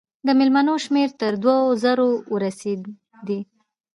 د مېلمنو شمېر تر دوو زرو ورسېدی.